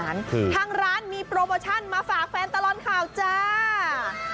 ทางร้านมีโปรโมชั่นมาฝากแฟนตลอดข่าวจ้า